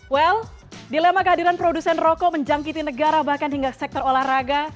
well dilema kehadiran produsen rokok menjangkiti negara bahkan hingga sektor olahraga